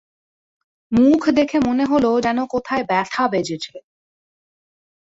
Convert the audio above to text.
মুখ দেখে মনে হল যেন কোথায় ব্যথা বেজেছে।